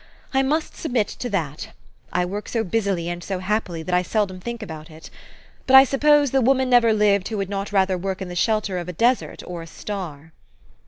I must submit to that : I work so busily and so happily, that I seldom think about it. But I suppose the woman never lived who would not rather work in the shelter of a desert or a star."